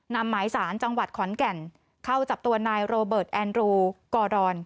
หมายสารจังหวัดขอนแก่นเข้าจับตัวนายโรเบิร์ตแอนรูกอดอน